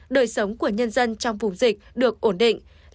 đời sống của nhân dân trong vùng dịch được ổn định